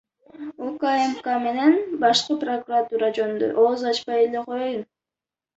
УКМК менен башкы прокуратура жөнүндө ооз ачпай эле коёюн.